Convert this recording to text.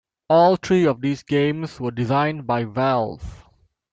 All three of these games were designed by Valve.